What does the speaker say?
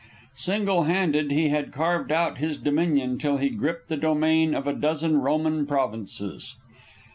Single handed he had carved out his dominion till he gripped the domain of a dozen Roman provinces.